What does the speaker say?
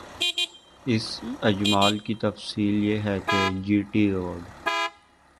اس اجمال کی تفصیل یہ ہے کہ جی ٹی روڈ